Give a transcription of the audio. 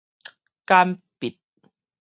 簡筆